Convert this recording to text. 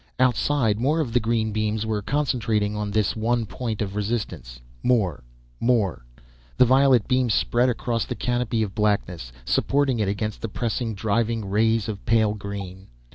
Outside more of the green beams were concentrating on this one point of resistance. More more The violet beam spread across the canopy of blackness, supporting it against the pressing, driving rays of pale green.